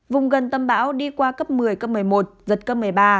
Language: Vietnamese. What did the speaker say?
vùng gần tâm bão đi qua cấp một mươi cấp một mươi một giật cấp một mươi ba